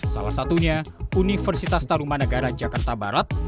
salah satunya universitas taruman negara jakarta barat